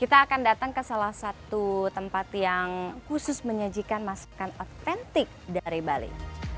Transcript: kita akan datang ke salah satu tempat yang khusus menyajikan masakan otentik dari bali